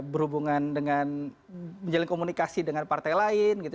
berhubungan dengan menjalin komunikasi dengan partai lain gitu